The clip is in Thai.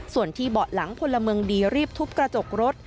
ส่วนที่เบาะหลังพลเมืองดีรีบทุบกระจกรถ